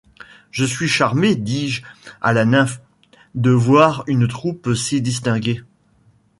Je suis charmé dis-je à la nymphe, de voir une troupe si distinguée.